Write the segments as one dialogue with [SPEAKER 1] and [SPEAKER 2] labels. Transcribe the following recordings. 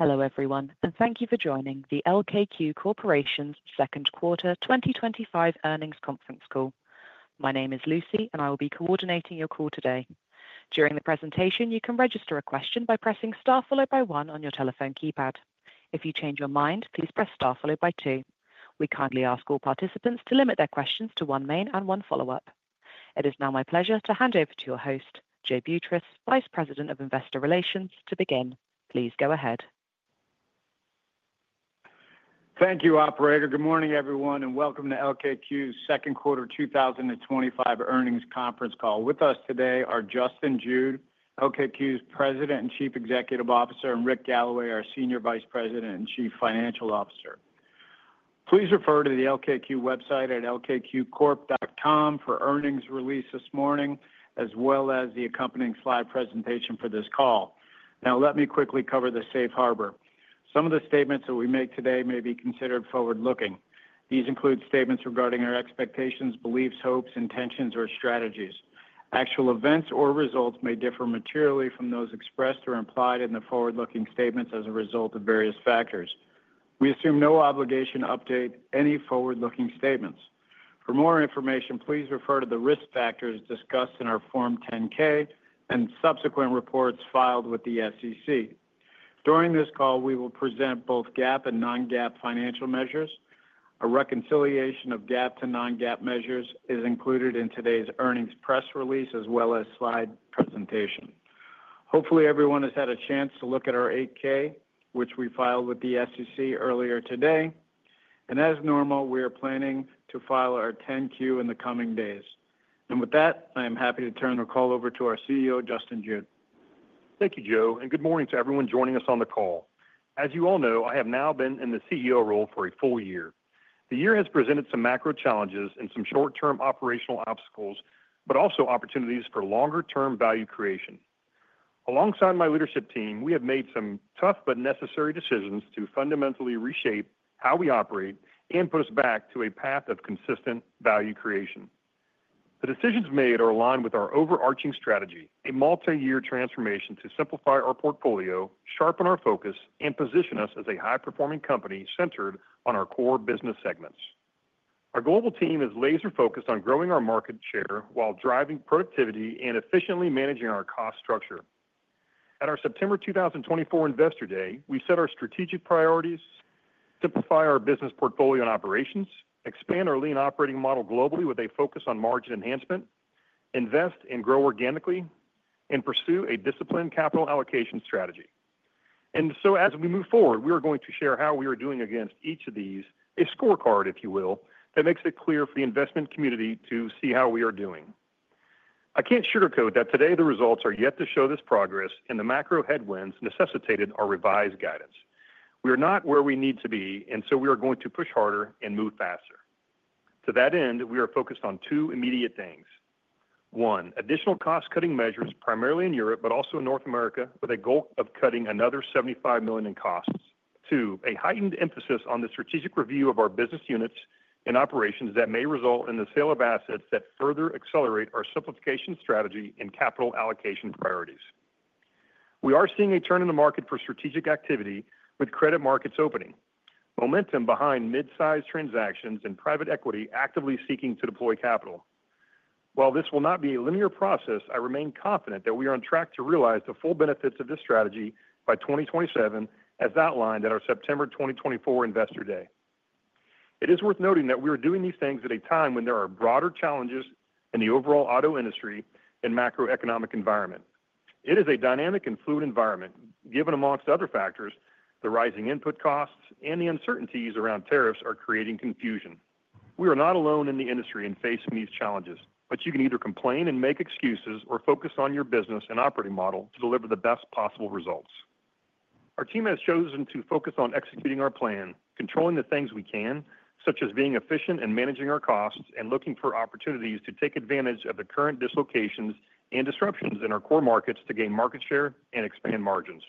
[SPEAKER 1] Hello everyone and thank you for joining the LKQ Corporation's second quarter 2025 earnings conference call. My name is Lucy and I will be coordinating your call today. During the presentation you can register a question by pressing STAR followed by one on your telephone keypad. If you change your mind, please press STAR followed by two. We kindly ask all participants to limit their questions to one main and one follow up. It is now my pleasure to hand over to your host, Joe Boutross, Vice President of Investor Relations, to begin. Please go ahead.
[SPEAKER 2] Thank you, operator. Good morning everyone and welcome to LKQ Corporation's second quarter 2025 earnings conference call. With us today are Justin Jude, LKQ Corporation's President and Chief Executive Officer, and Rick Galloway, our Senior Vice President and Chief Financial Officer. Please refer to the LKQ website at lkqcorp.com for the earnings release this morning as well as the accompanying slide presentation for this call. Now let me quickly cover the safe harbor. Some of the statements that we make today may be considered forward looking. These include statements regarding our expectations, beliefs, hopes, intentions or strategies. Actual events or results may differ materially from those expressed or implied in the forward looking statements as a result of various factors. We assume no obligation to update any forward looking statements. For more information, please refer to the risk factors discussed in our Form 10-K and subsequent reports filed with the SEC. During this call we will present both GAAP and non-GAAP financial measures. A reconciliation of GAAP to non-GAAP measures is included in today's earnings press release as well as slide presentation. Hopefully everyone has had a chance to. Look at our 8-K, which we filed. With the SEC earlier today and as normal we are planning to file our 10-Q in the coming days, and with that I am happy to turn the call over to our CEO Justin Jude.
[SPEAKER 3] Thank you, Joe, and good morning to everyone joining us on the call. As you all know, I have now been in the CEO role for a full year. The year has presented some macro challenges and some short-term operational obstacles, but also opportunities for longer-term value creation. Alongside my leadership team, we have made some tough but necessary decisions to fundamentally reshape how we operate and put us back to a path of consistent value creation. The decisions made are aligned with our overarching strategy, a multi-year transformation to simplify our portfolio, sharpen our focus, and position us as a high-performing company centered on our core business segments. Our global team is laser-focused on growing our market share while driving productivity and efficiently managing our cost structure. At our September 2024 Investor Day, we set our strategic priorities: simplify our business portfolio and operations, expand our lean operating model globally with a focus on margin enhancement, invest and grow organically, and pursue a disciplined capital allocation strategy. As we move forward, we are going to share how we are doing against each of these—a scorecard, if you will, that makes it clear for the investment community to see how we are doing. I can't sugarcoat that today. The results are yet to show this progress, and the macro headwinds necessitated our revised guidance. We are not where we need to be, and we are going to push harder and move faster. To that end, we are focused on two immediate things. One, additional cost-cutting measures, primarily in Europe but also in North America, with a goal of cutting another $75 million in costs. Two, a heightened emphasis on the strategic review of our business units and operations that may result in the sale of assets that further accelerate our simplification strategy and capital allocation priorities. We are seeing a turn in the market for strategic activity, with credit markets opening, momentum behind mid-sized transactions, and private equity actively seeking to deploy capital. While this will not be a linear process, I remain confident that we are on track to realize the full benefits of this strategy by 2027, and as outlined at our September 2024 Investor Day, it is worth noting that we are doing these things at a time when there are broader challenges in the overall auto industry and macroeconomic environment. It is a dynamic and fluid environment given, amongst other factors, the rising input costs and the uncertainties around tariffs are creating confusion. We are not alone in the industry in facing these challenges, but you can either complain and make excuses or focus on your business and operating model to deliver the best possible results. Our team has chosen to focus on executing our plan, controlling the things we can, such as being efficient and managing our costs, and looking for opportunities to take advantage of the current dislocations and disruptions in our core markets to gain market share and expand margins.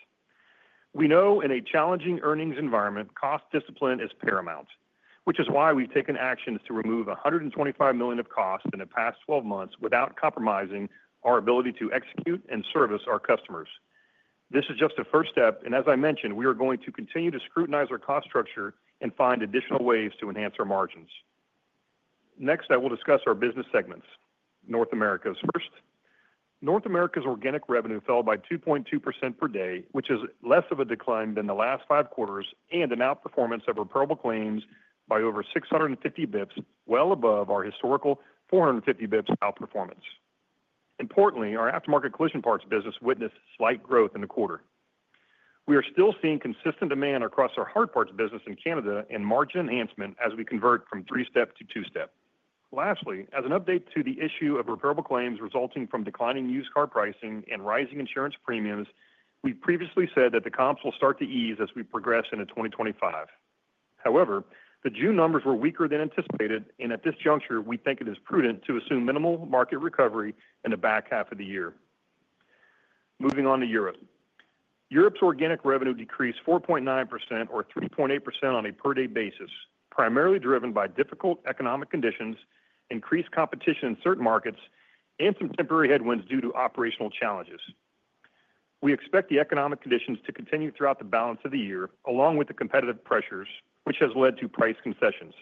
[SPEAKER 3] We know in a challenging earnings environment cost discipline is paramount, which is why we've taken actions to remove $125 million of cost in the past 12 months without compromising on our ability to execute and service our customers. This is just a first step, and as I mentioned, we are going to continue to scrutinize our cost structure and find additional ways to enhance our margins. Next, I will discuss our business segments. North America's first. North America's organic revenue fell by 2.2% per day, which is less of a decline than the last five quarters and an outperformance of repairable claims by over 650 bps, well above our historical 450 bps outperformance. Importantly, our aftermarket collision parts business witnessed slight growth in the quarter. We are still seeing consistent demand across our hard parts business in Canada and margin enhancement as we convert from three step to two step. Lastly, as an update to the issue of repairable claims resulting from declining used car pricing and rising insurance premiums, we previously said that the comps will start to ease as we progress into 2025. However, the June numbers were weaker than anticipated, and at this juncture we think it is prudent to assume minimal market recovery in the back half of the year. Moving on to Europe, Europe's organic revenue decreased 4.9% or 3.8% on a per day basis, primarily driven by difficult economic conditions, increased competition in certain markets, and some temporary headwinds due to operational challenges. We expect the economic conditions to continue throughout the balance of the year along with the competitive pressures, which has led to price concessions.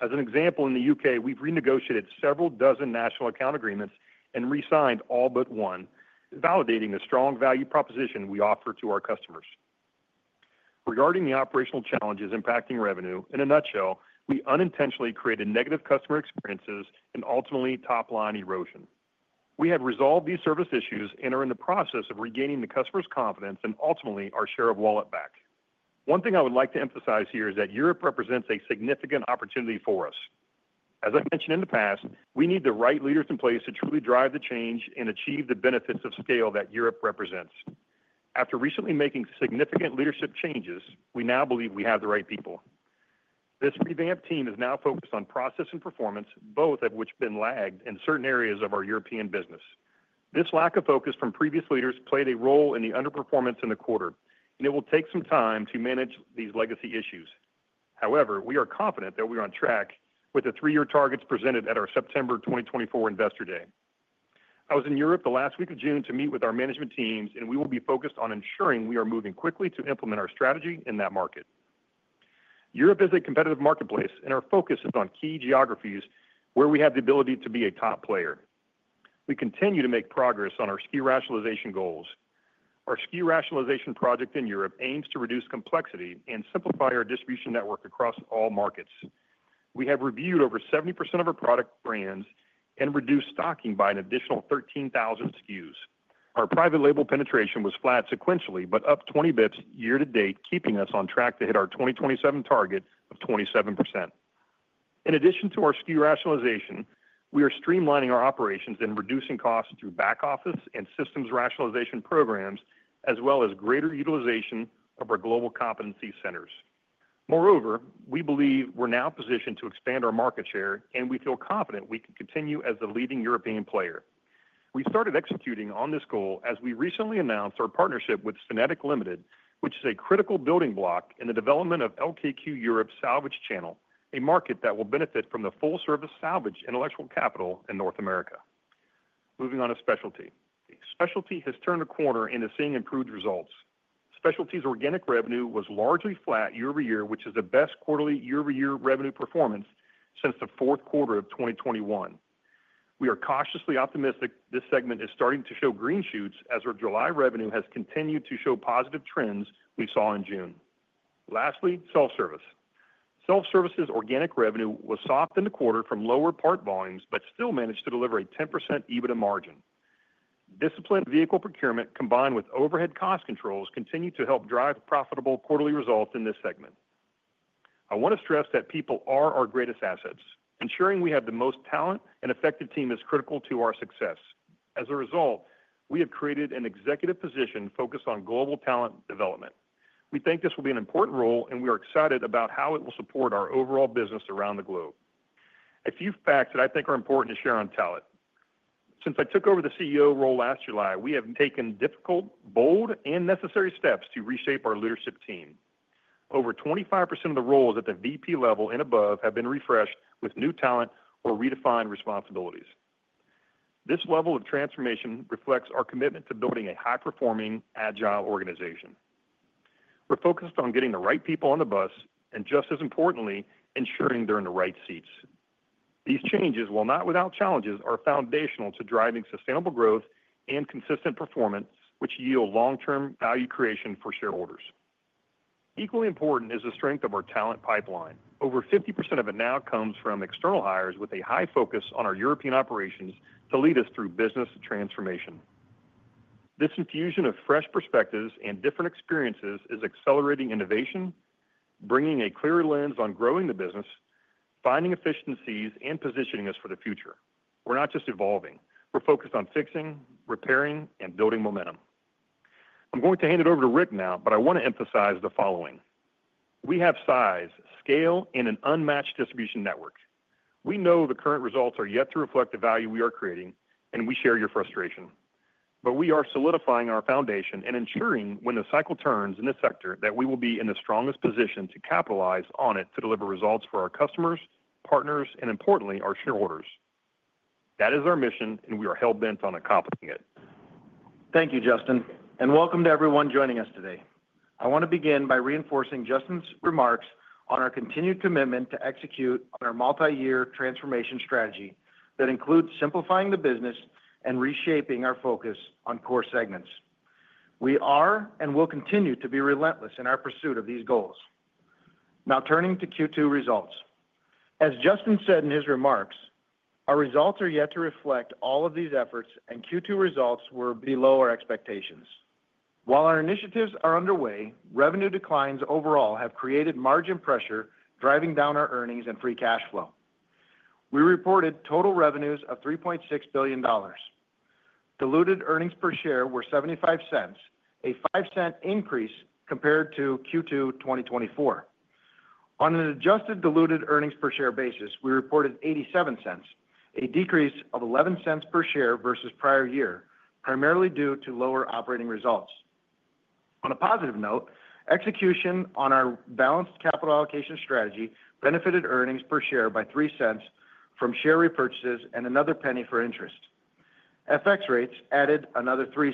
[SPEAKER 3] As an example, in the UK we've renegotiated several dozen national account agreements and re-signed all but one, validating the strong value proposition we offer to our customers. Regarding the operational challenges impacting revenue, in a nutshell, we unintentionally created negative customer experiences and ultimately top line erosion. We have resolved these service issues and are in the process of regaining the customer's confidence and ultimately our share of wallet back. One thing I would like to emphasize here is that Europe represents a significant opportunity for us. As I mentioned in the past, we need the right leaders in place to truly drive the change and achieve the benefits of scale that Europe represents. After recently making significant leadership changes, we now believe we have the right people. This revamped team is now focused on process and performance, both of which have lagged in certain areas of our European business. This lack of focus from previous leaders played a role in the underperformance in the quarter and it will take some time to manage these legacy issues. However, we are confident that we are on track with the three-year targets presented at our September 2024 Investor Day. I was in Europe the last week of June to meet with our management teams and we will be focused on ensuring we are moving quickly to implement our strategy in that market. Europe is a competitive marketplace and our focus is on key geographies where we have the ability to be a top player. We continue to make progress on our SKU rationalization goals. Our SKU rationalization project in Europe aims to reduce complexity and simplify our distribution network. Across all markets, we have reviewed over 70% of our product brands and reduced stocking by an additional 13,000 SKUs. Our private label penetration was flat sequentially, but up 20 bps year to date, keeping us on track to hit our 2027 target of 27%. In addition to our SKU rationalization, we are streamlining our operations and reducing costs through back office and systems rationalization programs as well as greater utilization of our global competency centers. Moreover, we believe we're now positioned to expand our market share and we feel confident we can continue as the leading European player. We started executing on this goal as we recently announced our partnership with Synetic Ltd. Which is a critical building block in the development of LKQ Europe's Salvage Channel, a market that will benefit from the full service salvage intellectual capital in North America. Moving on to Specialty, Specialty has turned a corner into seeing improved results. Specialty's organic revenue was largely flat year over year, which is the best quarterly year over year revenue performance since the fourth quarter of 2021. We are cautiously optimistic this segment is starting to show green shoots as our July revenue has continued to show positive trends we saw in June. Lastly, Self Service. Self Service's organic revenue was soft in the quarter from lower part volumes but still managed to deliver a 10% EBITDA margin. Disciplined vehicle procurement combined with overhead cost controls continue to help drive profitable quarterly results. In this segment, I want to stress that people are our greatest assets. Ensuring we have the most talent and effective team is critical to our success. As a result, we have created an executive position focused on global talent development. We think this will be an important role and we are excited about how it will support our overall business around the globe. A few facts that I think are important to share on talent. Since I took over the CEO role last July, we have taken difficult, bold, and necessary steps to reshape our leadership team. Over 25% of the roles at the VP level and above have been refreshed with new talent or redefined responsibilities. This level of transformation reflects our commitment to building a high performing, agile organization. We're focused on getting the right people on the bus and, just as importantly, ensuring they're in the right seats. These changes, while not without challenges, are foundational to driving sustainable growth and consistent performance which yield long term value creation for shareholders. Equally important is the strength of our talent pipeline. Over 50% of it now comes from external hires with a high focus on our European operations to lead us through business transformation. This infusion of fresh perspectives and different experiences is accelerating innovation, bringing a clearer lens on growing the business, finding efficiencies, and positioning us for the future. We're not just evolving, we're focused on fixing, repairing, and building momentum. I'm going to hand it over to Rick now, but I want to emphasize the following: we have size, scale, and an unmatched distribution network. We know the current results are yet to reflect the value we are creating, and we share your frustration. We are solidifying our foundation and ensuring when the cycle turns in this sector that we will be in the strongest position to capitalize on it to deliver results for our customers, partners, and importantly, our shareholders. That is our mission, and we are hell bent on accomplishing it.
[SPEAKER 4] Thank you, Justin, and welcome to everyone joining us today. I want to begin by reinforcing Justin's remarks on our continued commitment to execute on our multi-year transformation strategy that includes simplifying the business and reshaping our focus on core segments. We are and will continue to be relentless in our pursuit of these goals. Now turning to Q2 results. As Justin said in his remarks, our results are yet to reflect all of these efforts, and Q2 results were below our expectations. While our initiatives are underway, revenue declines overall have created margin pressure, driving down our earnings and free cash flow. We reported total revenues of $3.6 billion. Diluted earnings per share were $0.75, a $0.05 increase compared to Q2 2024. On an adjusted diluted EPS basis, we reported $0.87, a decrease of $0.11 per share versus prior year, primarily due to lower operating results. On a positive note, execution on our balanced capital allocation strategy benefited earnings per share by $0.03 from share repurchases and another penny for interest. FX rates added another $0.03.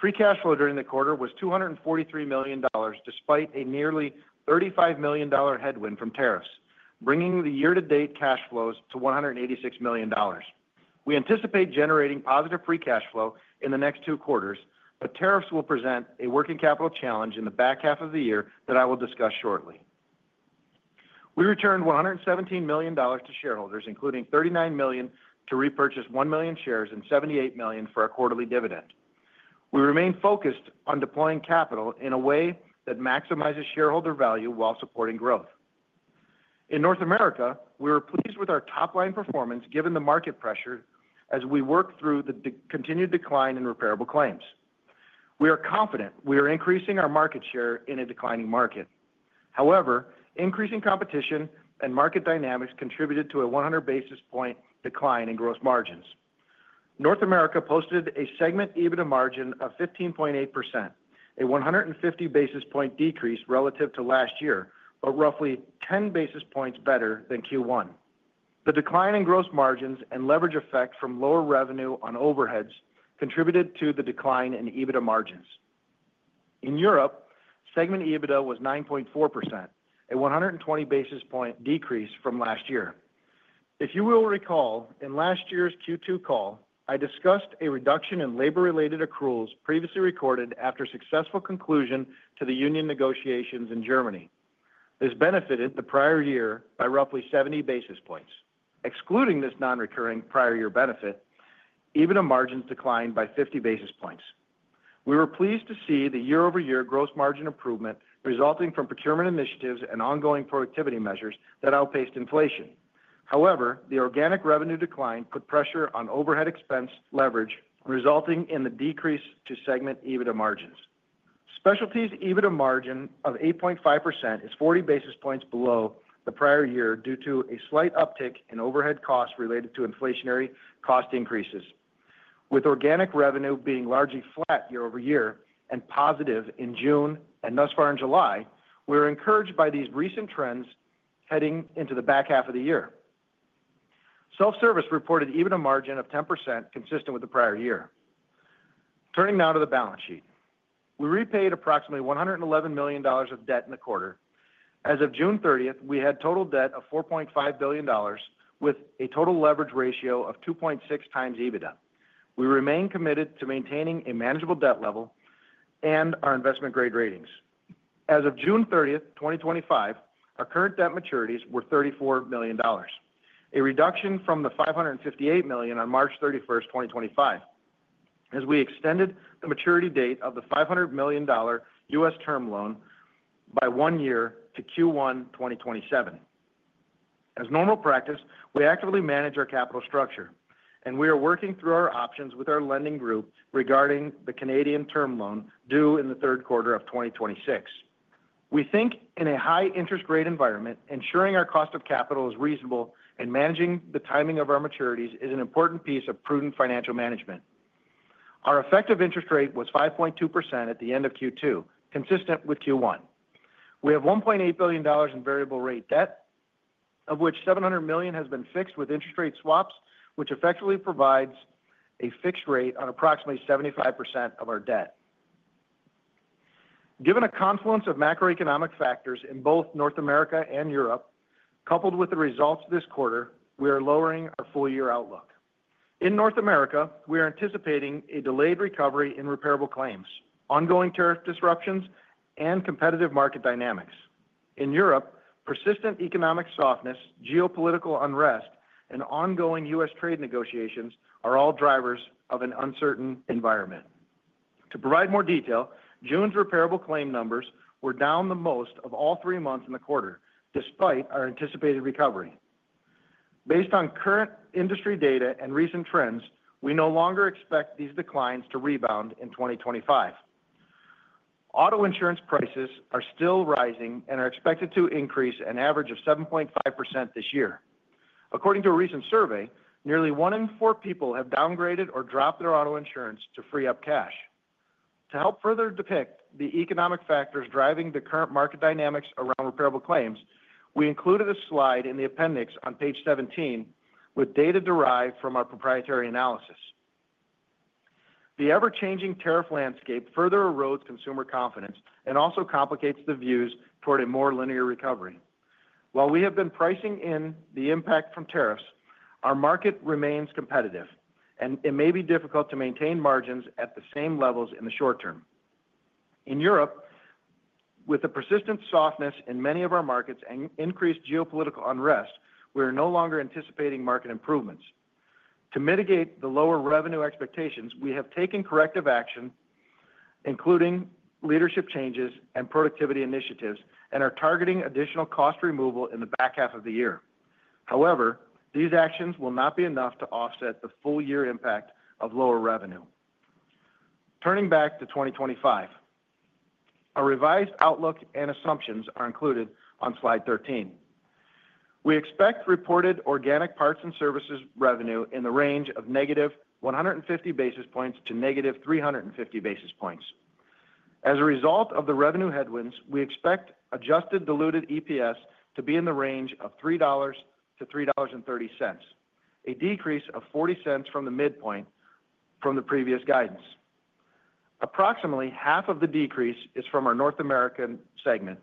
[SPEAKER 4] Free cash flow during the quarter was $243 million despite a nearly $35 million headwind from tariffs, bringing the year-to-date cash flows to $186 million. We anticipate generating positive free cash flow in the next two quarters, but tariffs will present a working capital challenge in the back half of the year that I will discuss shortly. We returned $117 million to shareholders, including $39 million to repurchase 1 million shares and $78 million for a quarterly dividend. We remain focused on deploying capital in a way that maximizes shareholder value while supporting growth in North America. We were pleased with our top line performance given the market pressure. As we work through the continued decline in repairable claims, we are confident we are increasing our market share in a declining market. However, increasing competition and market dynamics contributed to a 100 basis point decline in gross margins. North America posted a segment EBITDA margin of 15.8%, a 150 basis point decrease relative to last year, but roughly 10 basis points better than Q1. The decline in gross margins and leverage effect from lower revenue on overheads contributed to the decline in EBITDA margins. In Europe, segment EBITDA was 9.4%, a 120 basis point decrease from last year. If you will recall, in last year's Q2 call I discussed a reduction in labor-related accruals previously recorded after successful conclusion to the union negotiations in Germany. This benefited the prior year by roughly 70 basis points. Excluding this non-recurring prior year benefit, EBITDA margins declined by 50 basis points. We were pleased to see the year-over-year gross margin improvement resulting from procurement initiatives and ongoing productivity measures that outpaced inflation. However, the organic revenue decline put pressure on overhead expense leverage, resulting in the decrease to segment EBITDA margins. Specialty's EBITDA margin of 8.5% is 40 basis points below the prior year due to a slight uptick in overhead costs related to inflationary cost increases. With organic revenue being largely flat year-over-year and positive in June and thus far in July, we are encouraged by these recent trends. Heading into the back half of the year, Self Service reported EBITDA margin of 10%, consistent with the prior year. Turning now to the balance sheet, we repaid approximately $111 million of debt in the quarter. As of June 30, we had total debt of $4.5 billion with a total leverage ratio of 2.6 times EBITDA. We remain committed to maintaining a manageable debt level and our investment grade ratings. As of June 30, 2025, our current debt maturities were $34 million, a reduction from the $558 million on March 31, 2025, as we extended the maturity date of the $500 million U.S. term loan by 1 year to Q1 2027. As normal practice, we actively manage our capital structure and we are working through our options with our lending group. Regarding the Canadian term loan due in the third quarter of 2026, we think in a high interest rate environment, ensuring our cost of capital is reasonable and managing the timing of our maturities is an important piece of prudent financial management. Our effective interest rate was 5.2% at the end of Q2. Consistent with Q1, we have $1.8 billion in variable rate debt, of which $700 million has been fixed with interest rate swaps, which effectively provides a fixed rate on approximately 75% of our debt. Given a confluence of macroeconomic factors in both North America and Europe, coupled with the results this quarter, we are lowering our full year outlook. In North America, we are anticipating a delayed recovery in repairable claims, ongoing tariff disruptions, and competitive market dynamics in Europe. Persistent economic softness, geopolitical unrest, and ongoing U.S. trade negotiations are all drivers of an uncertain environment. To provide more detail, June's repairable claim numbers were down the most of all. Three months in the quarter. Despite our anticipated recovery, based on current industry data and recent trends, we no longer expect these declines to rebound in 2025. Auto insurance prices are still rising and are expected to increase an average of 7.5% this year. According to a recent survey, nearly one in four people have downgraded or dropped their auto insurance to free up cash. To help further depict the economic factors driving the current market dynamics around repairable claims, we included a slide in the appendix on page 17 with data derived from our proprietary analysis. The ever-changing tariff landscape further erodes consumer confidence and also complicates the views toward a more linear recovery. While we have been pricing in the impact from tariffs, our market remains competitive and it may be difficult to maintain margins at the same levels in the short term. In Europe, with the persistent softness in many of our markets and increased geopolitical unrest, we are no longer anticipating market improvements. To mitigate the lower revenue expectations, we have taken corrective action, including leadership changes and productivity initiatives, and are targeting additional cost removal in the back half of the year. However, these actions will not be enough to offset the full year impact of lower revenue. Turning back to 2025, a revised outlook and assumptions are included on Slide 13. We expect reported organic parts and services revenue in the range of negative 150 basis points to negative 350 basis points. As a result of the revenue headwinds, we expect adjusted diluted EPS to be in the range of $3 to $3.30, a decrease of $0.40 from the midpoint from the previous guidance. Approximately half of the decrease is from our North American segment,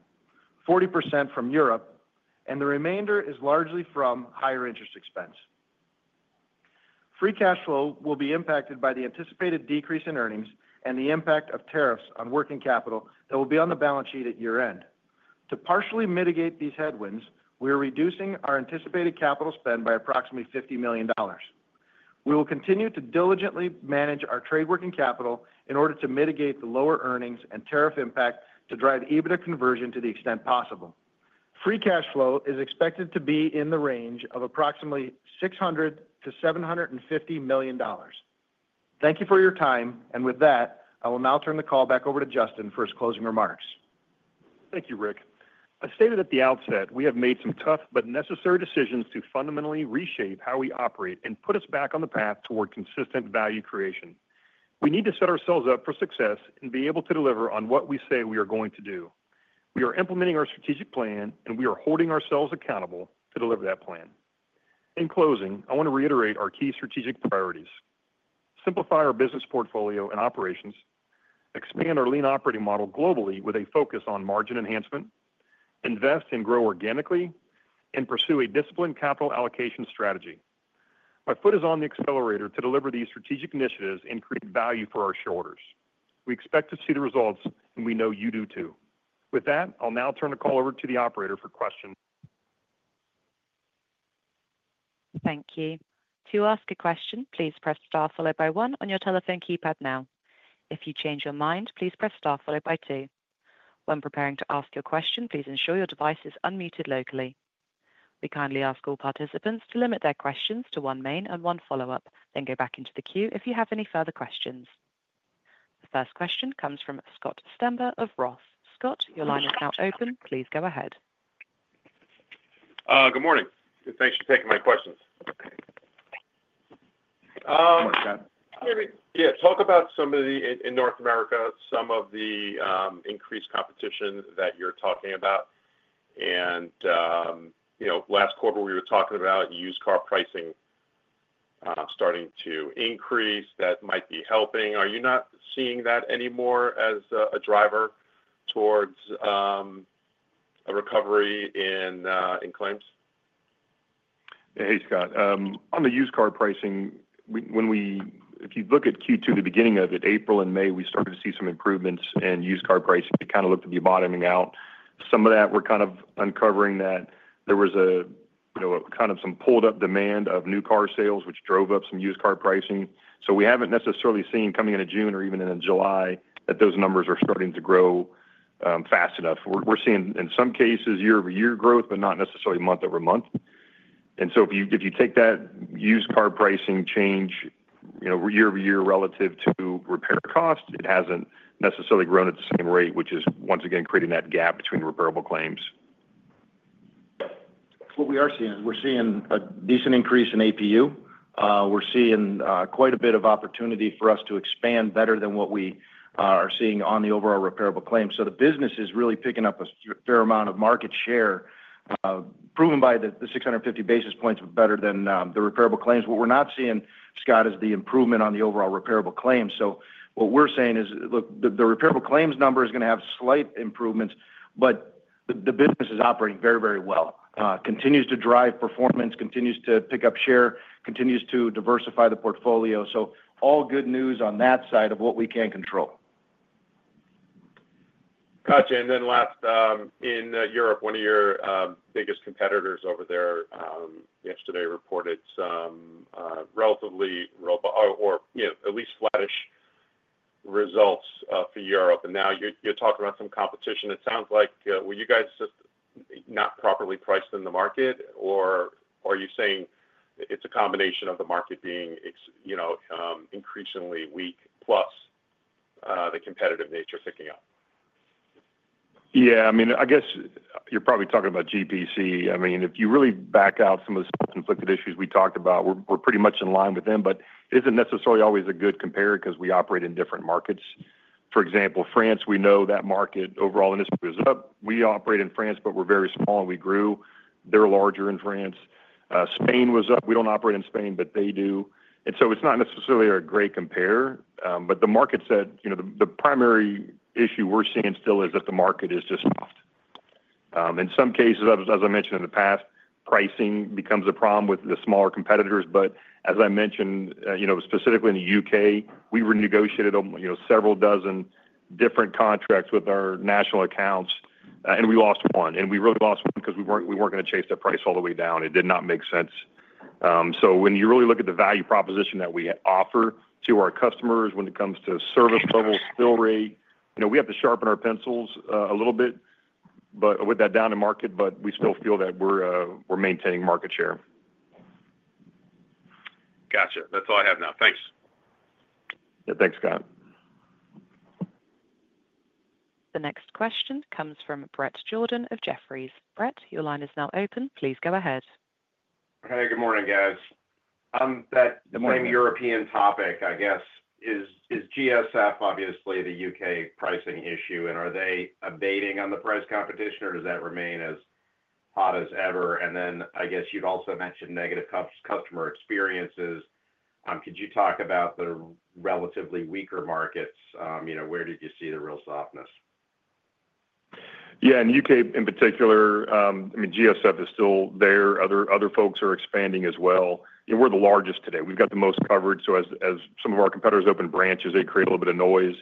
[SPEAKER 4] 40% from Europe, and the remainder is largely from higher interest expense. Free cash flow will be impacted by the anticipated decrease in earnings and the impact of tariffs on working capital that will be on the balance sheet at year end. To partially mitigate these headwinds, we are reducing our anticipated capital spend by approximately $50 million. We will continue to diligently manage our trade working capital in order to mitigate the lower earnings and tariff impact to drive EBITDA conversion to the extent possible. Free cash flow is expected to be in the range of approximately $600 million to $750 million. Thank you for your time. With that, I will now turn the call back over to Justin for his closing remarks.
[SPEAKER 3] Thank you, Rick. As stated at the outset, we have made some tough but necessary decisions to fundamentally reshape how we operate and put us back on the path toward consistent value creation. We need to set ourselves up for success and be able to deliver on what we say we are going to do. We are implementing our strategic plan, and we are holding ourselves accountable to deliver that plan. In closing, I want to reiterate our key strategic priorities. Simplify our business portfolio and operations, expand our lean operating model globally with a focus on margin enhancement, invest and grow organically, and pursue a disciplined capital allocation strategy. My foot is on the accelerator to deliver these strategic initiatives and create value for our shareholders. We expect to see the results, and we know you do too. With that, I'll now turn the call over to the operator for questions.
[SPEAKER 1] Thank you. To ask a question, please press STAR followed by one on your telephone keypad. If you change your mind, please press STAR followed by two. When preparing to ask your question, please ensure your device is unmuted locally. We kindly ask all participants to limit their questions to one main and one follow up, then go back into the queue. If you have any further questions, the first question comes from Scott Stember of Barrington Research. Scott, your line is now open. Please go ahead.
[SPEAKER 5] Good morning. Thanks for taking my questions. Talk about some of the in North America, some of the increased competition that you're talking about and you know, last quarter we were talking about used car pricing starting to increase. That might be helping. Are you not seeing that anymore as a driver towards a recovery in claims?
[SPEAKER 3] Hey Scott, on the used car pricing, if you look at Q2, the beginning of it, April and May, we started to see some improvements in used car pricing. It kind of looked to be bottoming out. We're kind of uncovering that there was some pulled up demand of new car sales which drove up some used car pricing. We haven't necessarily seen coming into June or even in July that those numbers are starting to grow fast enough. We're seeing in some cases year over year growth, but not necessarily month over month. If you take that used car pricing change year over year relative to repair cost, it hasn't necessarily grown at the same rate, which is once again creating that gap between repairable claims.
[SPEAKER 4] What we are seeing is we're seeing a decent increase in APU. We're seeing quite a bit of opportunity for us to expand better than what we are seeing on the overall repairable claims. The business is really picking up a fair amount of market share, proven by the 650 basis points better than the repairable claims. What we're not seeing, Scott, is the improvement on the overall repairable claims. What we're saying is, look, the repairable claims number is going to have slight improvements, but the business is operating very, very well, continues to drive performance, continues to pick up share, continues to diversify the portfolio. All good news on that side of what we can control.
[SPEAKER 5] Gotcha. Last in Europe, one of your biggest competitors over there yesterday reported some relatively robust or at least flattish results for Europe. Now you're talking about some competition. It sounds like, were you guys just not properly priced in the market or are you saying it's a combination of the market being increasingly weak plus the competitive nature picking up?
[SPEAKER 3] Yeah, I mean, I guess you're probably talking about GSF Car Parts. If you really back out some of the conflicted issues we talked about, we're pretty much in line with them. It isn't necessarily always a good compare because we operate in different markets. For example, France, we know that market, overall industry is up. We operate in France, but we're very small and we grew. They're larger in France. Spain was up. We don't operate in Spain, but they do. It's not necessarily a great compare. The market, the primary issue we're seeing still is that the market is just soft in some cases. As I mentioned in the past, pricing becomes a problem with the smaller competitors. As I mentioned, specifically in the UK we renegotiated several dozen different contracts with our national accounts and we lost one. We really lost one because we weren't going to chase the price all the way down. It did not make sense. When you really look at the value proposition that we offer to our customers, when it comes to service levels, fill rate, we have to sharpen our pencils a little bit with that down in market, but we still feel that we're maintaining market share.
[SPEAKER 5] Gotcha. That's all I have now. Thanks. Thanks, Scott.
[SPEAKER 1] The next question comes from Bret Jordan of Jefferies. Bret, your line is now open. Please go ahead.
[SPEAKER 6] Hey, good morning, guys. That same European topic, I guess, is GSF obviously the UK pricing issue, and are they abating on the price competition or does that remain as hot as ever? I guess you'd also mentioned negative customer experiences. Could you talk about the relatively weaker markets? You know, where did you see the real softness?
[SPEAKER 3] Yeah, in UK in particular. I mean, GSF is still there. Other folks are expanding as well. We're the largest today. We've got the most coverage. As some of our competitors open branches, they create a little bit of noise.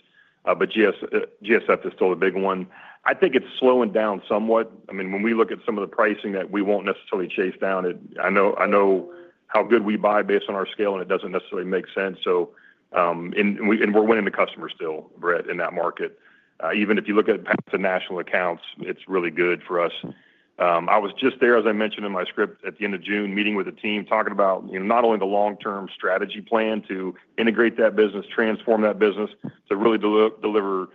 [SPEAKER 3] GSF is still a big one. I think it's slowing down somewhat. When we look at some of the pricing that we won't necessarily—I know how good we buy based on our scale, and it doesn't necessarily make sense. We're winning the customer still, Brett, in that market, even if you look at the national accounts, it's really good for us. I was just there, as I mentioned in my script at the end of June, meeting with the team, talking about not only the long-term strategy plan to integrate that business, transform that business to really deliver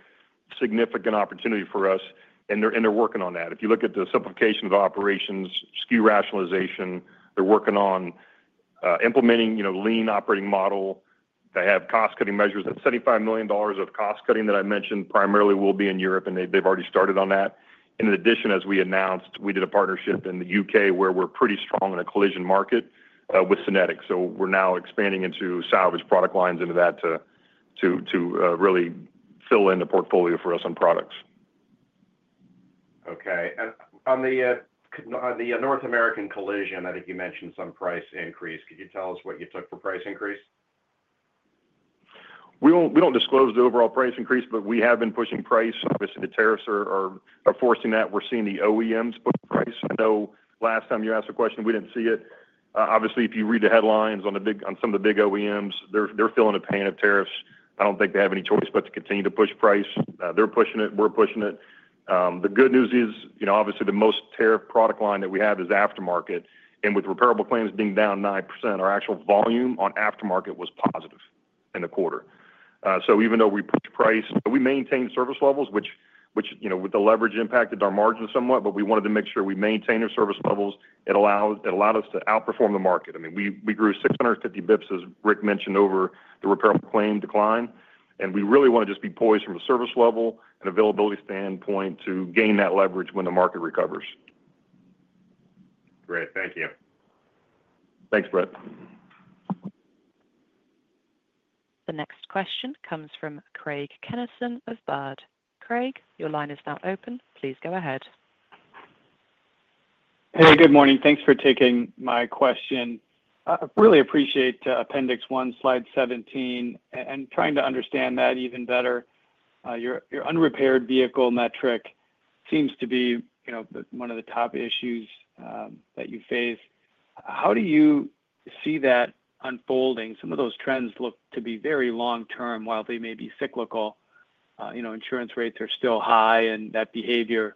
[SPEAKER 3] significant opportunity for us. They're working on that. If you look at the simplification of operations, SKU rationalization, they're working on implementing, you know, lean operating model. They have cost cutting measures. That $75 million of cost cutting that I mentioned primarily will be in Europe, and they've already started on that. In addition, as we announced, we did a partnership in the UK where we're pretty strong in a collision market with Synetics. We're now expanding into salvage product lines into that to really fill in the portfolio for us on products.
[SPEAKER 6] Okay. On the North American collision, I think you mentioned some price increase. Could you tell us what you took for price increase?
[SPEAKER 3] We don't disclose the overall price increase, but we have been pushing price. Obviously, the tariffs are forcing that. We're seeing the OEMs put price. I know last time you asked a question, we didn't see it. Obviously, if you read the headlines on some of the big OEMs, they're feeling a pain of tariffs. I don't think they have any choice but to continue to push price. They're pushing it. We're pushing it. The good news is, obviously, the most tariff product line that we have is aftermarket. With repairable claims being down 9%, our actual volume on aftermarket was positive in the quarter. Even though we price, we maintain service levels which, you know, with the leverage impacted our margin somewhat. We wanted to make sure we maintain our service levels. It allowed us to outperform the market. I mean, we grew 650 bps, as Rick mentioned, over the repair claim decline. We really want to just be poised from a service level and availability standpoint to gain that leverage when the market recovers.
[SPEAKER 6] Great, thank you.
[SPEAKER 3] Thanks, Bret.
[SPEAKER 1] The next question comes from Craig Kennison of Robert W. Baird. Craig, your line is now open. Please go ahead.
[SPEAKER 7] Hey, good morning. Thanks for taking my question. I really appreciate Appendix 1, Slide 17. Trying to understand that even better, your unrepaired vehicle metric seems to be one of the top issues that you face. How do you see that unfolding? Some of those trends look to be very long term. While they may be cyclical, insurance rates are still high, and that behavior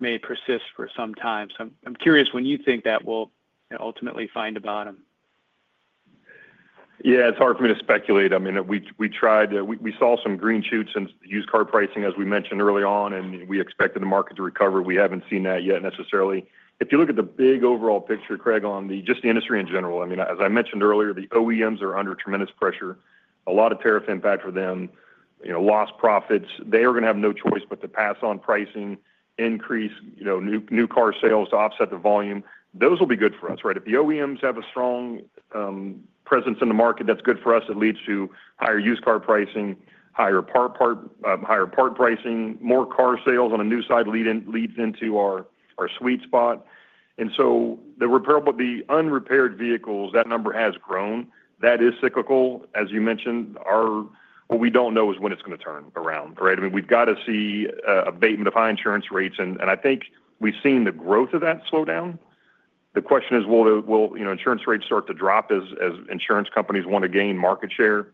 [SPEAKER 7] may persist for some time. I'm curious when you think that will ultimately find a bottom.
[SPEAKER 3] Yeah, it's hard for me to speculate. I mean, we tried. We saw some green shoots in used car pricing as we mentioned early on and we expected the market to recover. We haven't seen that yet necessarily. If you look at the big overall picture, Craig, on just the industry in general, I mean, as I mentioned earlier, the OEMs are under tremendous pressure. A lot of tariff impact for them, you know, lost profits. They are going to have no choice but to pass on pricing, increase new car sales to offset the volume. Those will be good for us, right? If the OEMs have a strong presence in the market, that's good for us. It leads to higher used car pricing, higher part pricing, more car sales on a new side leads into our sweet spot. The repairable, the unrepaired vehicles, that number has grown. That is cyclical, as you mentioned. What we don't know is when it's going to turn around. I mean, we've got to see abatement of high insurance rates. I think we've seen the growth of that slow down. The question is, will insurance rates start to drop as insurance companies want to gain market share.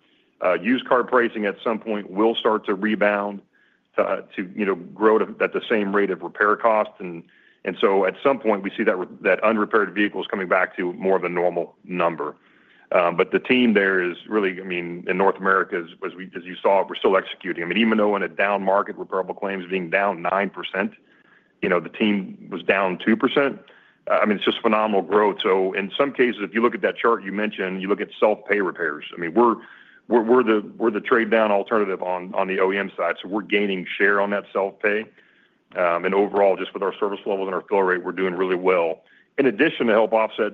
[SPEAKER 3] Used car pricing at some point will start to rebound to grow at the same rate of repair cost. At some point we see that unrepaired vehicles coming back to more of a normal number. The team there is really, I mean, in North America, as you saw, we're still executing. Even though in a down market, repairable claims being down 9%, the team was down 2%. It's just phenomenal growth. In some cases, if you look at that chart you mentioned, you look at self pay repairs, we're the trade down alternative on the OEM side. We're gaining share on that self pay and overall just with our service levels and our fill rate, we're doing really well. In addition to help offset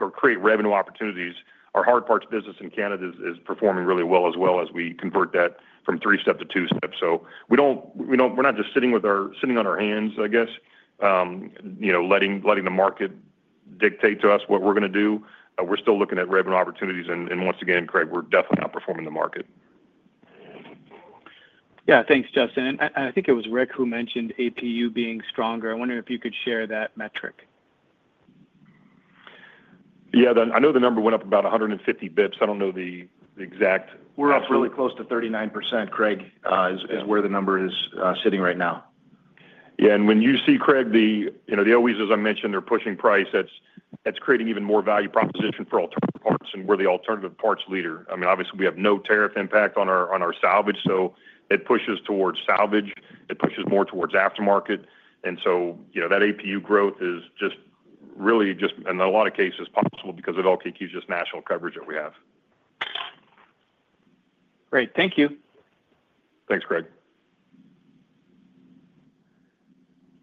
[SPEAKER 3] or create revenue opportunities, our hard parts business in Canada is performing really well as we convert that from three step to two step. We're not just sitting on our hands letting the market dictate to us what we're going to do. We're still looking at revenue opportunities and once again, Craig, we're definitely outperforming the market.
[SPEAKER 7] Yeah, thanks, Justin. I think it was Rick who. mentioned APU being stronger. I wonder if you could share that metric.
[SPEAKER 3] Yeah, I know the number went up about 150 bps. I don't know the exact, we're up.
[SPEAKER 4] Really close to 39%. Craig is where the number is sitting right now.
[SPEAKER 3] Yeah. When you see Craig, the OEs, as I mentioned, they're pushing price. That's creating even more value proposition for alternative parts, and we're the alternative parts leader. Obviously, we have no tariff impact on our salvage, so it pushes towards salvage, it pushes more towards aftermarket. That APU growth is just really, in a lot of cases, possible because of all LKQ's national coverage that we have.
[SPEAKER 7] Great, thank you.
[SPEAKER 3] Thanks, Greg.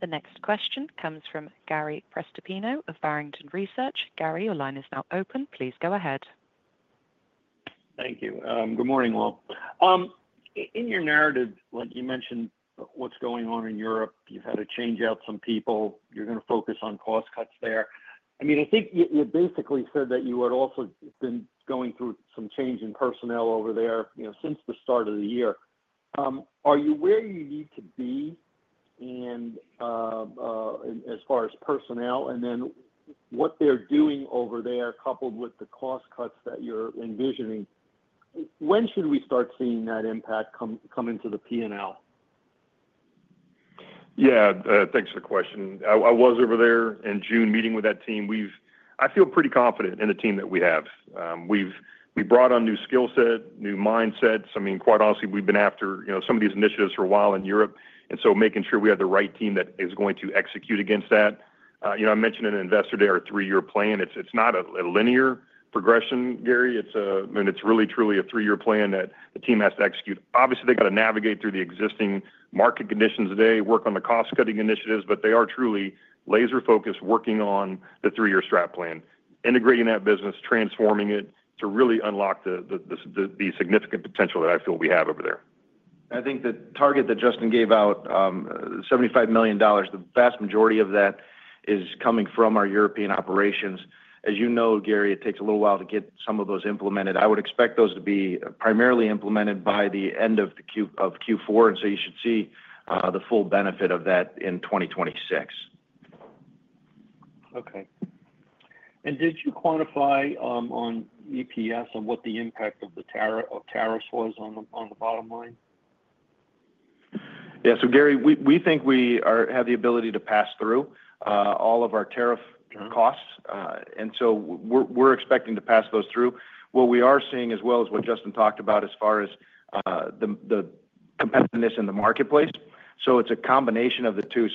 [SPEAKER 1] The next question comes from Gary Prestopino of Barrington Research. Gary, your line is now open. Please go ahead.
[SPEAKER 8] Thank you. Good morning, Walt. In your narrative, like you mentioned, what's. Going on in Europe, you've had to. Change out some people. You're going to focus on cost cuts there. I think you basically said that you had also been going through. Some change in personnel over there. Since the start of the year, are you where you need to be as far as personnel and what they're doing over there, coupled with the cost cuts that you're envisioning? When should we start seeing that impact? Come into the P&L?
[SPEAKER 3] Yeah, thanks for the question. I was over there in June meeting with that team. I feel pretty confident in the team that we have. We brought on new skill set, new mindsets. Quite honestly, we've been after some of these initiatives for a while in Europe. Making sure we have the right team that is going to execute against that. I mentioned at investor day our three-year plan. It's not a linear progression, Gary, it's a three-year plan that the team has to execute. Obviously, they've got to navigate through the existing market conditions today, work on the cost cutting initiatives, but they are truly laser focused, working on the three-year strap plan, integrating that business, transforming it to really unlock the significant potential that I feel we have over there.
[SPEAKER 4] I think the target that Justin gave out, $75 million. The vast majority of that is coming from our European operations. As you know, Gary, it takes a little while to get some of those implemented. I would expect those to be primarily implemented by the end of Q4, and you see the full benefit of that in 2026.
[SPEAKER 8] Okay, did you quantify on EPS and what the impact of the tariffs was on the bottom line?
[SPEAKER 4] Yeah. Gary, we think we have the ability to pass through all of our tariff costs, and we're expecting to pass those through. What we are seeing, as well as what Justin talked about as far as the competitiveness in the marketplace, it's a combination of the two.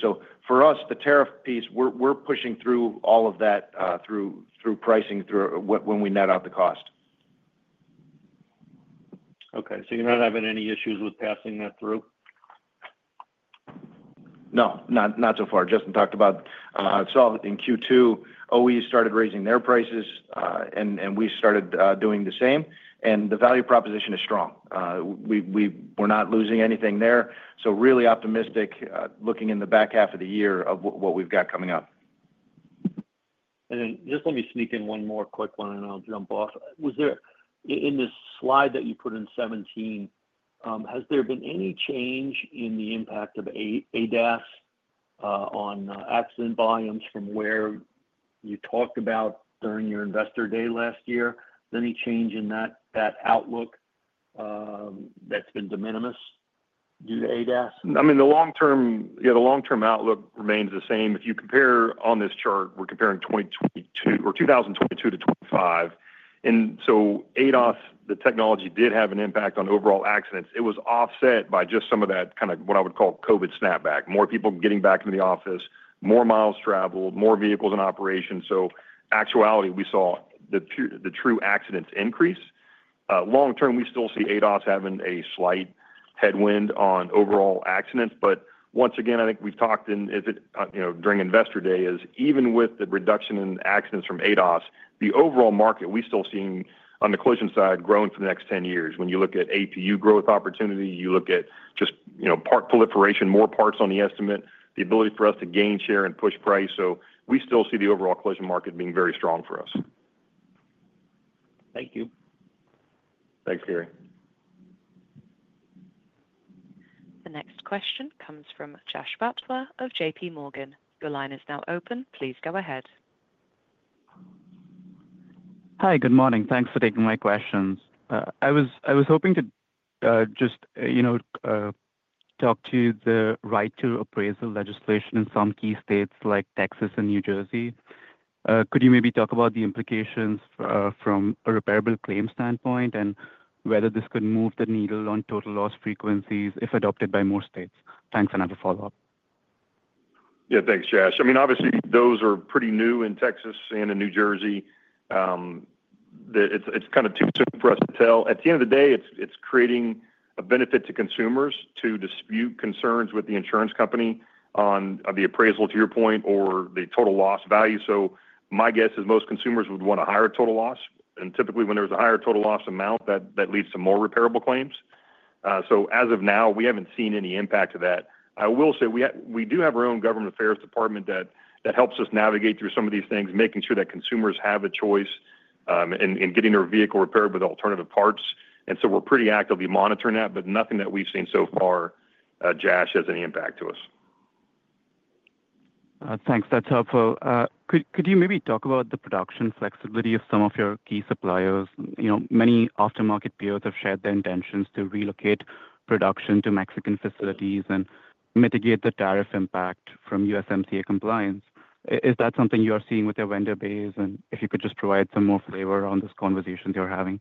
[SPEAKER 4] For us, the tariff piece, we're pushing through all of that through pricing when we net out the cost.
[SPEAKER 8] Okay, you're not having any issues with passing that through?
[SPEAKER 4] No, not so far. Justin talked about solving Q2. OE started raising their prices, and we started doing the same. The value proposition is strong. We're not losing anything there. Really optimistic, looking in the back half of the year at what we've. Got coming up,
[SPEAKER 8] and then just let me sneak in one more quick one, and I'll jump off. Was there in this slide that you put in 17, has there been any change in the impact of ADAS on accident volumes from where you talked about during your investor day last year? Any change in that outlook that's been de minimis due to ADAS?
[SPEAKER 3] I mean the long term. Yeah, the long term outlook remains the same. If you compare on this chart, we're comparing 2022 or 2022 to 2025. ADOs, the technology, did have an impact on overall accidents. It was offset by just some of that kind of what I would call Covid snapback. More people getting back into the office, more miles traveled, more vehicles in operation. In actuality, we saw the true accidents increase. Long term, we still see ADOs having a slight headwind on overall accidents. I think we've talked during investor day, even with the reduction in accidents from ADOs, the overall market, we're still seeing on the collision side, growing for the next 10 years. When you look at APU growth opportunity, you look at just, you know, part proliferation, more parts on the estimate, the ability for us to gain share and push price. We still see the overall collision market being very strong for us.
[SPEAKER 8] Thank you.
[SPEAKER 3] Thanks, Gary.
[SPEAKER 1] The next question comes from Jash Patwa of J.P. Morgan. Your line is now open. Please go ahead.
[SPEAKER 9] Hi, good morning. Thanks for taking my questions. I was hoping to just talk to the right to appraisal legislation in some key states like Texas and New Jersey. Could you maybe talk about the implications from a repairable claim standpoint and whether this could move the needle on total loss frequencies if adopted by more states? Thanks. Another follow up?
[SPEAKER 3] Yeah, thanks, Jash. Obviously, those are pretty new in Texas and in New Jersey. It's kind of too soon for us to tell. At the end of the day, it's creating a benefit to consumers to dispute concerns with the insurance company on the appraisal to your point or the total loss value. My guess is most consumers would want a higher total loss, and typically when there's a higher total loss amount, that leads to more repairable claims. As of now, we haven't seen any impact to that. I will say we do have our own Government Affairs department that helps us navigate through some of these things, making sure that consumers have a choice in getting their vehicle repaired with alternative parts. We're pretty actively monitoring that. Nothing that we've seen so far, Jash, has any impact to us.
[SPEAKER 9] Thanks, that's helpful. Could you maybe talk about the production flexibility of some of your key suppliers? You know, many aftermarket peers have shared their intentions to relocate production to Mexican facilities and mitigate the tariff impact from USMCA compliance. Is that something you are seeing with your vendor base, and if you could just provide some more flavor on this conversation you're having.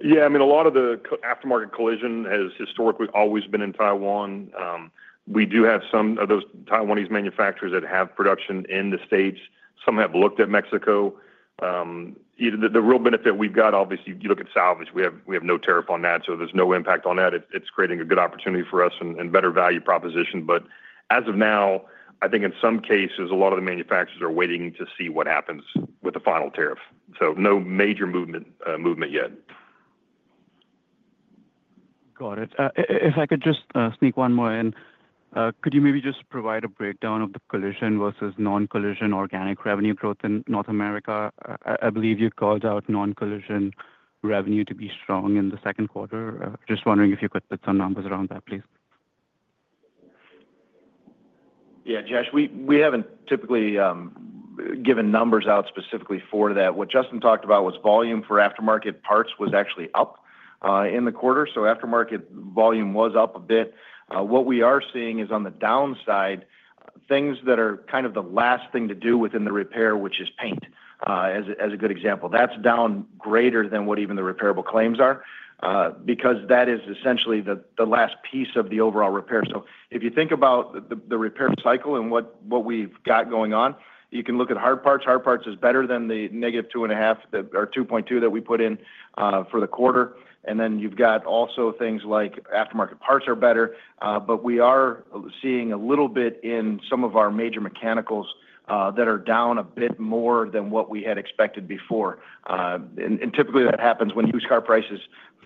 [SPEAKER 3] Yeah, I mean, a lot of the aftermarket collision has historically always been in Taiwan. We do have some of those Taiwanese manufacturers that have production in the states. Some have looked at Mexico. The real benefit we've got, obviously you look at salvage. We have no tariff on that, so there's no impact on that. It's creating a good opportunity for us and better value proposition. As of now, I think in some cases a lot of the manufacturers are waiting to see what happens with the final tariff. No major movement yet.
[SPEAKER 9] Got it. If I could just sneak one more in. Could you maybe just provide a breakdown of the collision versus non collision organic revenue growth in North America? I believe you called out non collision revenue to be strong in the second quarter. Just wondering if you could put some numbers around that, please.
[SPEAKER 4] Yeah, Josh, we haven't typically given numbers out specifically for that. What Justin talked about was volume for aftermarket parts was actually up in the quarter. So aftermarket volume was up a bit. What we are seeing is on the downside, things that are kind of the last thing to do within the repair, which is painting as a good example, that's down greater than what even the repairable claims are because that is essentially the last piece of the overall repair. If you think about the repair cycle and what we've got going on, you can look at hard parts. Hard parts is better than the negative 2.5% or 2.2% that we put in for the quarter. You have also things like aftermarket parts are better. We are seeing a little bit in some of our major mechanicals that are down a bit more than what we had expected before. Typically that happens when used car prices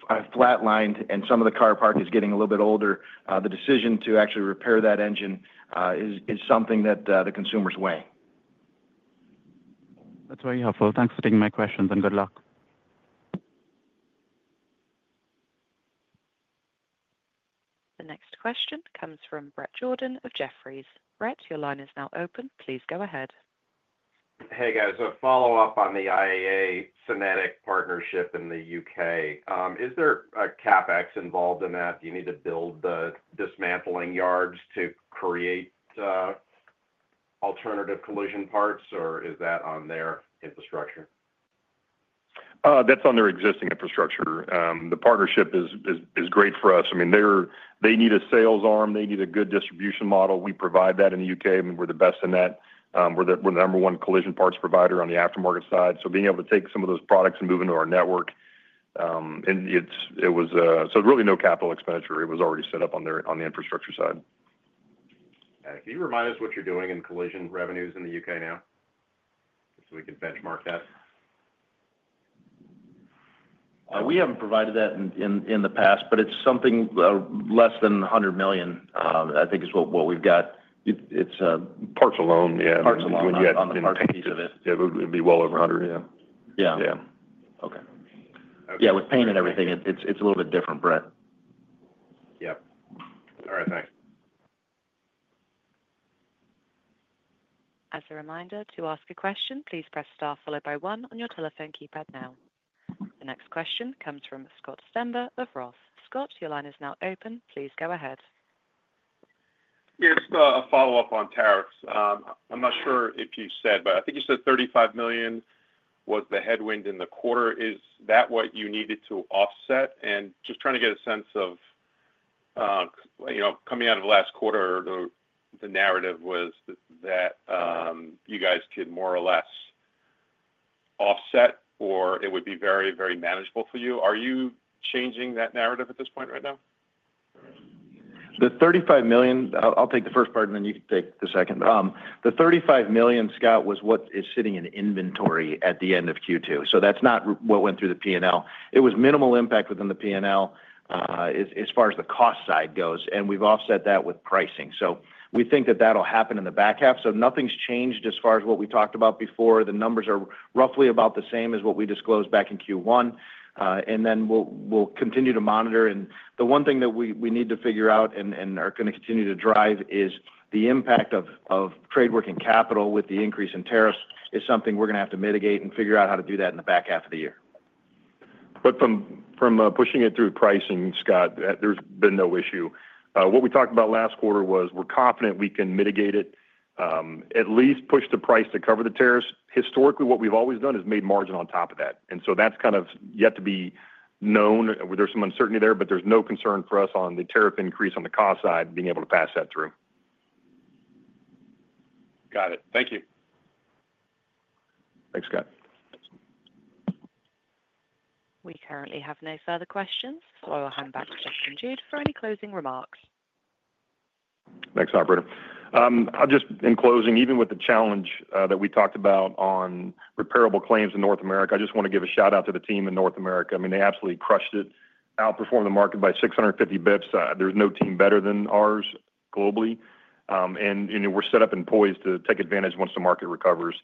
[SPEAKER 4] flatlined and some of the car park is getting a little bit older. The decision to actually repair that engine is something that the consumer is weighing.
[SPEAKER 9] That's very helpful. Thanks for taking my questions and good luck.
[SPEAKER 1] The next question comes from Bret Jordan of Jefferies. Bret, your line is now open. Please go ahead.
[SPEAKER 6] Hey guys, a follow up on the IAEA Synetic partnership in the UK. Is there a CapEx involved in that? Do you need to build the dismantling yards to create alternative collision parts or is that on their infrastructure?
[SPEAKER 3] That's on their existing infrastructure. The partnership is great for us. I mean, they need a sales arm, they need a good distribution model. We provide that in. I mean we're the best in that, we're the number one collision parts provider on the aftermarket side. Being able to take some of those products and move into our network, it was really no capital expenditure. It was already set up on the infrastructure side.
[SPEAKER 6] Can you remind us what you're doing in collision revenues in the UK now so we can benchmark that?
[SPEAKER 4] We haven't provided that in the past, but it's something less than $100 million. I think is what we've got.
[SPEAKER 3] It's parts alone.
[SPEAKER 4] Yeah, parts alone. On the part piece of it,
[SPEAKER 3] yeah, it'd be well over 100.
[SPEAKER 6] Okay,
[SPEAKER 4] yeah. With paint and everything, it's a little bit different. Bret.
[SPEAKER 6] Yep. All right, thanks.
[SPEAKER 1] As a reminder to ask a question, please press star followed by one on your telephone keypad. Now the next question comes from Scott Stember of ROTH MKM. Scott, your line is now open. Please go ahead.
[SPEAKER 5] Yes, a follow up on tariffs. I'm not sure if you said, but I think you said $35 million was the headwind in the quarter. Is that what you needed to offset? Just trying to get a sense of, you know, coming out of last quarter, the narrative was that you guys could more or less offset or it would be very, very manageable for you. Are you changing that narrative at this point right now?
[SPEAKER 4] The $35 million, I'll take the first part and then you can take the second. The $35 million scout was what is sitting in inventory at the end of Q2. That's not what went through the P&L. It was minimal impact within the P&L as far as the cost side goes, and we've offset that with pricing. We think that that'll happen in the back half. Nothing's changed as far as what we talked about before. The numbers are roughly about the same as what we disclosed back in Q1, and we'll continue to monitor. The one thing that we need to figure out and are going to continue to drive is the impact of trade. Working capital with the increase in tariffs is something we're going to have to mitigate and figure out how to do that in the back half of the year.
[SPEAKER 3] From pushing it through pricing, Scott, there's been no issue. What we talked about last quarter was we're confident we can mitigate it, at least push the price to cover the tariffs. Historically, what we've always done is made margin on top of that. That's kind of yet to be known. There's some uncertainty there, but there's no concern for us on the tariff increase on the cost side being able to pass that through.
[SPEAKER 5] Got it. Thank you.
[SPEAKER 3] Thanks, Scott.
[SPEAKER 1] We currently have no further questions, so I will hand back to Justin Jude for any closing remarks.
[SPEAKER 3] Thanks, operator. In closing, even with the challenge that we talked about on repairable claims in North America, I just want to give a shout out to the team in North America. I mean, they absolutely crushed it. Outperformed the market by 650 bps. There's no team better than ours globally and we're set up and poised to take advantage once the market recovers.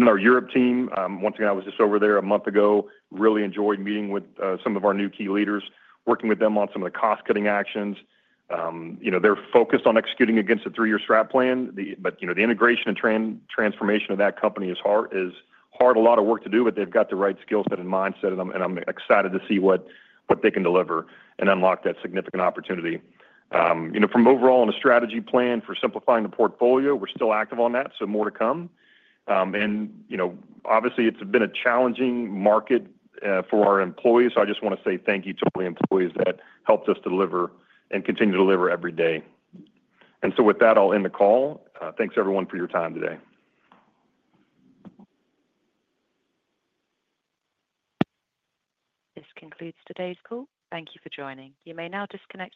[SPEAKER 3] Our Europe team once again, I was just over there a month ago, really enjoyed meeting with some of our new key leaders, working with them on some of the cost cutting actions. They're focused on executing against a three year strap plan, but the integration and transformation of that company is hard, is hard, a lot of work to do, but they've got the right skill set and mindset and I'm excited to see what they can deliver and unlock that significant opportunity. From overall on a strategy plan for simplifying the portfolio, we're still active on that, so more to come. Obviously, it's been a challenging market for our employees. I just want to say thank you to all the employees that helped us deliver and continue to deliver every day. With that, I'll end the call. Thanks everyone for your time today.
[SPEAKER 1] This concludes today's call. Thank you for joining. You may now disconnect.